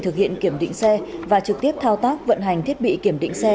thực hiện kiểm định xe và trực tiếp thao tác vận hành thiết bị kiểm định xe